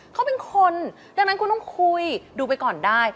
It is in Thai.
เขาเป็นคนดังนั้นคุณต้องคุยดูไปก่อนได้